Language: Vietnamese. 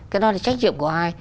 cái đó là trách nhiệm của ai